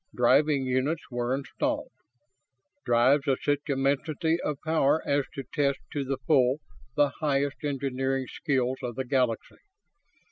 Driving units were installed drives of such immensity of power as to test to the full the highest engineering skills of the Galaxy.